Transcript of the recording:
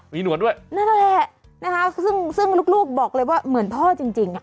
มีหนวดด้วยนั่นแหละนะคะซึ่งลูกบอกเลยว่าเหมือนพ่อจริงจริงอ่ะ